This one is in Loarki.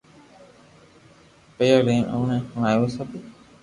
پسو ٺين ھي ھوئي ٿارو سب